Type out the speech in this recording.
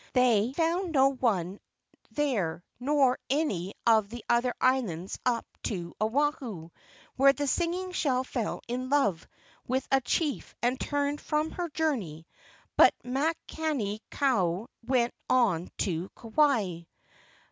They found no one there nor on any of the other islands up to Oahu, where the Singing Shell fell in love with a chief and turned from her journey, but Makani kau went on to Kauai.